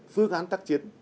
phương án tác chiến